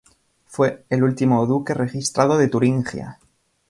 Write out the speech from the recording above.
Fue el último duque registrado de Turingia.